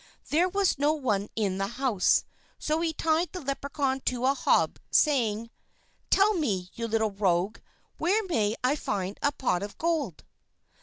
There was no one in the house, so he tied the Leprechaun to the hob, saying: "Tell me, you little rogue, where I may find a pot of gold."